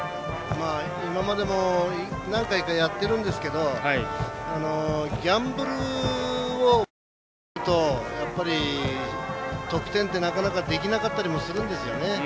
今までも何回かやってるんですけどギャンブルを求めちゃうと得点って、なかなかできなかったりするんですよね。